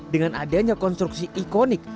dengan adanya konstruksi ikonik